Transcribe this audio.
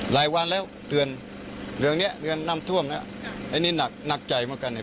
หลายวันแล้วเตือนเรื่องเนี้ยเดือนน้ำท่วมแล้วไอ้นี่หนักหนักใจเหมือนกันเนี่ย